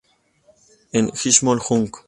En Chisholm, Hugh.